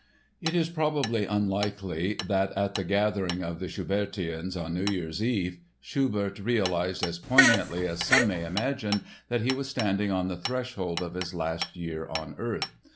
] It is probably unlikely that, at the gathering of the Schubertians on New Year's Eve, Schubert realized as poignantly as some may imagine that he was standing on the threshold of his last year on earth.